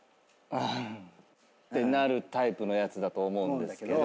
てなるタイプのやつだと思うんですけど。